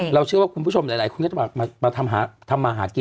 เชื่อว่าคุณผู้ชมหลายคนก็จะมาทำมาหากิน